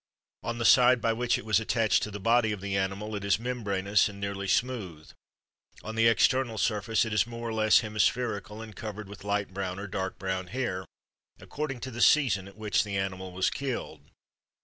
On the side by which it was attached to the body of the animal it is membranous and nearly smooth; on the external surface it is more or less hemispherical and covered with light brown or dark brown hair, according to the season at which the animal was killed.